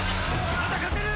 まだ勝てる！